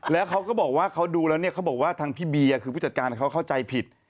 แล้วเขาก็บอกว่าเขาดูแล้วเนี่ยเขาบอกว่าทางพี่เบียร์คือผู้จัดการเขาเข้าใจผิด